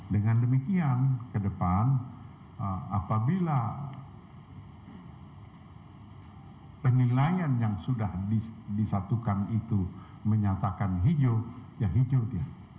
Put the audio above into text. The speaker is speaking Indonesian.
dengan demikian ke depan apabila penilaian yang sudah disatukan itu menyatakan hijau ya hijau dia